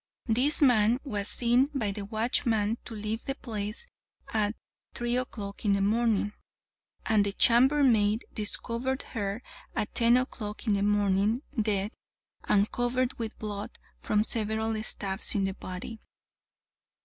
This man was seen by the watchman to leave the place at three o'clock in the morning, and the chambermaid discovered her at ten o'clock in the morning, dead, and covered with blood from several stabs in the body.